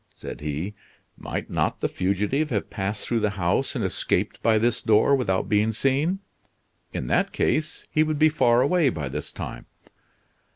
said he. "Might not the fugitive have passed through the house and escaped by this door, without being seen? In that case he would be far away by this time."